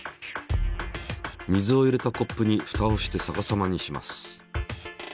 水を入れたコップにふたをして逆さまにします。